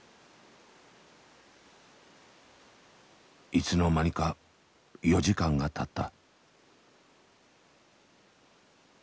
いつの間にか４時間がたった。